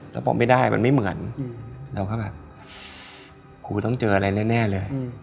เราบอกไม่ได้มันไม่เหมือนอืมเราก็แบบหูต้องเจออะไรแน่แน่เลยอืม